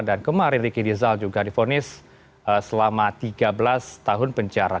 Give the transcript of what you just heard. dan kemarin ricky el dezar juga difonis selama tiga belas tahun penjara